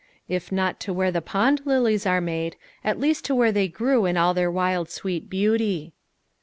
If not to where the pond lilies were made, at least to where they grew in all their wild sweet beauty.